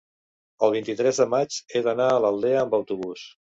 el vint-i-tres de maig he d'anar a l'Aldea amb autobús.